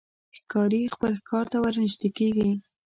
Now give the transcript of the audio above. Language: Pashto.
ښکاري خپل ښکار ته ورنژدې کېږي.